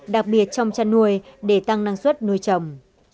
đặc biệt trong chăn nuôi để tăng năng suất nuôi chồng